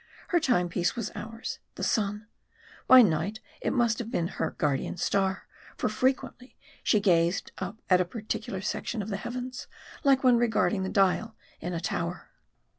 Her time piece was ours, the sun. By night it must have been her guardian star ; for frequently she gazed up at a particular section of the heavens, like one regarding the dial in a tower.